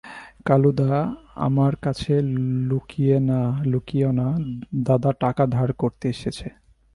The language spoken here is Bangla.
কালুদা, আমার কাছে লুকিয়ো না, দাদা টাকা ধার করতে এসেছে।